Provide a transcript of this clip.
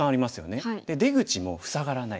で出口も塞がらない。